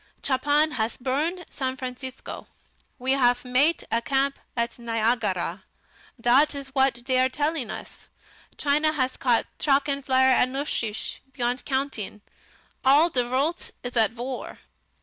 Chapan hass burn San Francisco. We haf mate a camp at Niagara. Dat is whad they are telling us. China has cot drachenflieger and luftschiffe beyont counting. All de vorlt is at vor!"